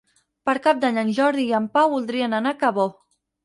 Per Cap d'Any en Jordi i en Pau voldrien anar a Cabó.